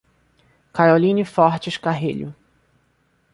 Caroline Fortes Carrilho